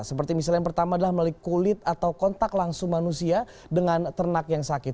seperti misalnya yang pertama adalah melalui kulit atau kontak langsung manusia dengan ternak yang sakit